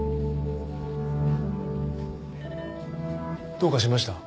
どうかしました？